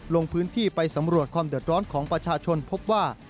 ลงพื้นที่ไปสำรวจความเดือดร้อนของประชาชนพบว่า